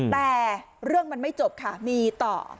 แต่เรื่องมันไม่จบค่ะมีต่อ